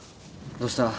どうした？